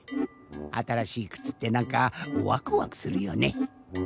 あたらしいくつってなんかワクワクするよね。